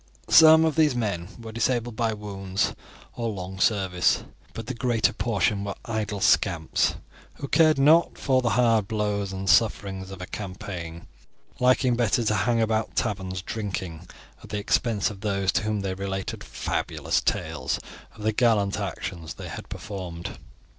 Some of these men were disabled by wounds or long service, but the greater portion were idle scamps, who cared not for the hard blows and sufferings of a campaign, liking better to hang about taverns drinking, at the expense of those to whom they related fabulous tales of the gallant actions they had performed.